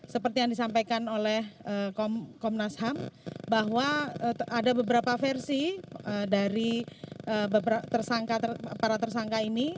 seperti yang disampaikan oleh komnas ham bahwa ada beberapa versi dari para tersangka ini